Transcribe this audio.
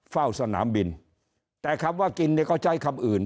เฝ้าสนามบินแต่คำว่ากินเนี่ยก็ใช้คำอื่น